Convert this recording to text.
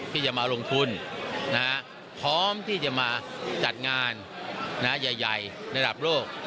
ที่จะมาลงทุนพร้อมที่จะมาจัดงานใหญ่ระดับโลก